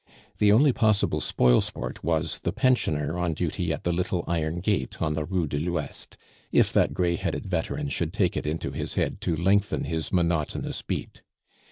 The only possible spoil sport was the pensioner on duty at the little iron gate on the Rue de l'Ouest, if that gray headed veteran should take it into his head to lengthen his monotonous beat.